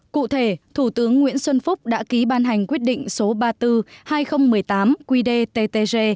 cụ thể thủ tướng nguyễn xuân phúc đã ký ban hành quyết định số ba mươi bốn hai nghìn một mươi tám qdttg